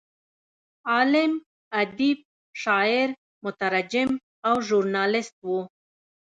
عالم، ادیب، شاعر، مترجم او ژورنالست و.